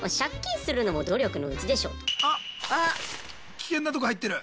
危険なとこ入ってる。